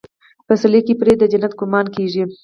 پسرلي کې پرې د جنت ګمان کېږي.